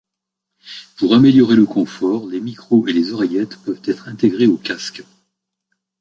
Pour améliorer le confort les micros et les oreillettes peuvent être intégrés au casque.